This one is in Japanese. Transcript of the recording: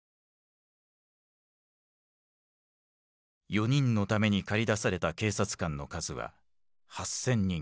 ４人のために駆り出された警察官の数は８，０００人。